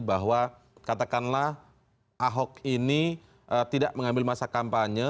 bahwa katakanlah ahok ini tidak mengambil masa kampanye